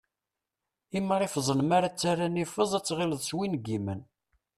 Imrifẓen mara ttarran ifeẓ, ad ttɣilleḍ swingimen.